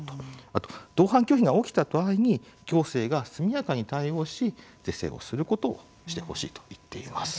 あと、同伴拒否が起きた場合に行政が速やかに対応し是正をすることをしてほしいと言っています。